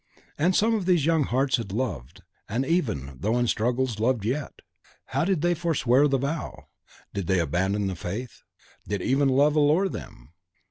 And some of these young hearts had loved, and even, though in struggles, loved yet. Did they forswear the vow? Did they abandon the faith? Did even love allure them?